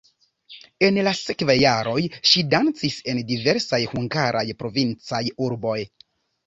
En la sekvaj jaroj ŝi dancis en diversaj hungaraj provincaj urboj.